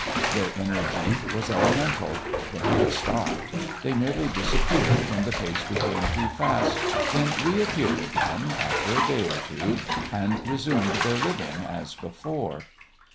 Their energy was elemental. They never stopped. They merely disappeared when the pace became too fast, then reappeared again after a day or two, and resumed their "living" as before.